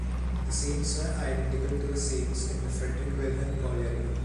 The seams were identical to the seams in the Friedrich Wilhelm colliery.